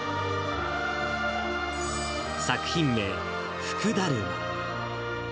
作品名、福だるま。